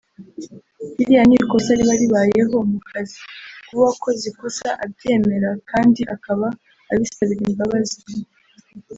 “Biriya ni ikosa riba ribayeho mu kazi… kuba uwakoze ikosa abyemera kandi akaba abisabira imbabazi